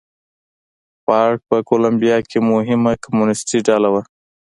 فارک په کولمبیا کې مهمه کمونېستي ډله وه.